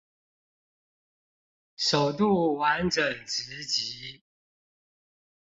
首度完整直擊